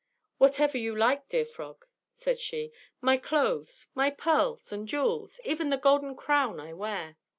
"Whatever you like, dear frog," said she, "my clothes, my pearls and jewels, even the golden crown I wear."